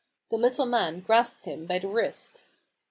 The little man grasped him by the wrist.